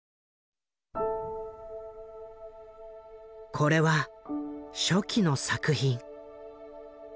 これは初期の作品。